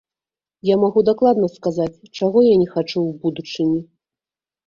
Я магу дакладна сказаць, чаго я не хачу ў будучыні.